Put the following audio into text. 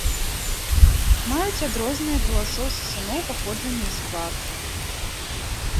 Маюць адрозныя ад валасоў сысуноў паходжанне і склад.